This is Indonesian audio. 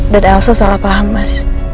dan elsa salah paham mas